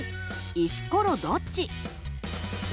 「石ころどっち？」